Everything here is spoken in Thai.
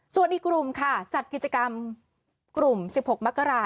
ส่วนอีกกลุ่มค่ะจัดกิจกรรมกลุ่ม๑๖มกรา